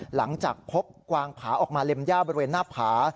หลังจากพบกวางผาออกมาเล็มย่าบริเวณหน้าผา